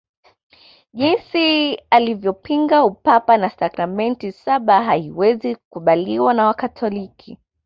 Jinsi alivyopinga Upapa na sakramenti saba haiwezi kukubaliwa na Wakatoliki